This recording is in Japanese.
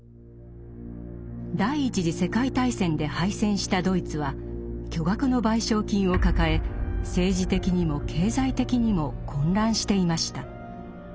第一次世界大戦で敗戦したドイツは巨額の賠償金を抱え政治的にも経済的にも混乱していました。